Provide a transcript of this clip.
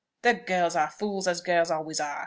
"The girls are fools, as girls always are.